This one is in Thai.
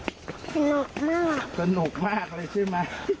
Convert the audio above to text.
สนุกมากสนุกมากเลยใช่ไหม